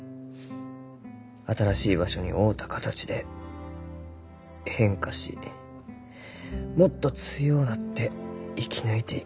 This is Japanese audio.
新しい場所に合うた形で変化しもっと強うなって生き抜いていく。